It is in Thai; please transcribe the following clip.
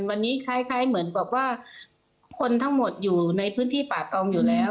วันนี้คล้ายเหมือนกับว่าคนทั้งหมดอยู่ในพื้นที่ป่าตองอยู่แล้ว